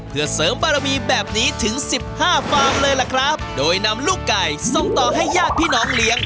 เพื่อเสริมบารมีแบบนี้ถึงสิบห้าฟางเลยล่ะครับโดยนำลูกไก่ส่งต่อให้ญาติพี่น้องเลี้ยง